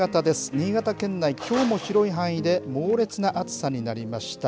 新潟県内、きょうも広い範囲で猛烈な暑さになりました。